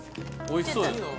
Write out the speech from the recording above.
おいしそうよ